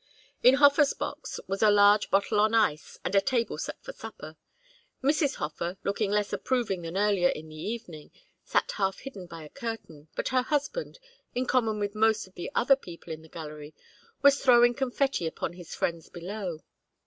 In Hofer's box was a large bottle on ice and a table set for supper. Mrs. Hofer, looking less approving than earlier in the evening, sat half hidden by a curtain, but her husband, in common with most of the other people in the gallery, was throwing confetti upon his friends below.